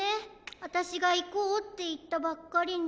あたしが「いこう」っていったばっかりに。